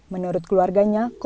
menurut keluarganya korban terluka